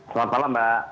selamat malam mbak